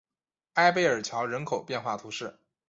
埃贝尔桥人口变化图示